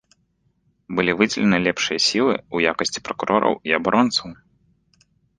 Былі выдзелены лепшыя сілы ў якасці пракурораў і абаронцаў.